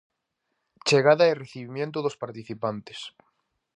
Chegada e recibimento dos participantes.